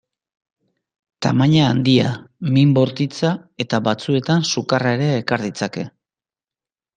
Tamaina handia, min bortitza eta batzuetan sukarra ere ekar ditzake.